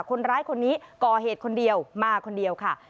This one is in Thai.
คนร้ายคนนี้ก่อเหตุคนเดียวมาคนเดียวค่ะ